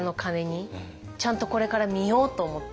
ちゃんとこれから見ようと思って。